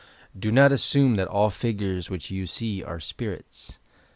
Do not assume that all figures which you see are spirits.